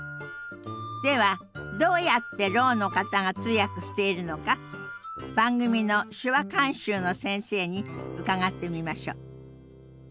ではどうやってろうの方が通訳しているのか番組の手話監修の先生に伺ってみましょう。